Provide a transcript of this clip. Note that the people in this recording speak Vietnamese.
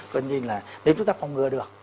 cho nên là nếu chúng ta phòng ngừa được